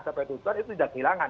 sampai tujuan itu tidak kehilangan